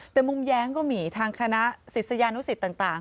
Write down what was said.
แต่มุมแย้งก็มีทางคณะศิษยานุสิตต่าง